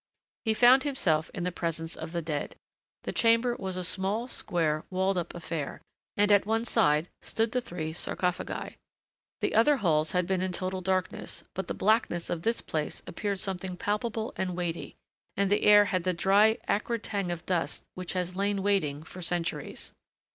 He found himself in the presence of the dead. The chamber was a small, square, walled up affair, and at one side stood the three sarcophagi. The other halls had been in total darkness, but the blackness of this place appeared something palpable and weighty. And the air had the dry, acrid tang of dust which has lain waiting for centuries.